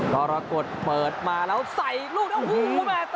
กรกฎเปิดมาแล้วใส่ลูกแล้วหูเข้าไป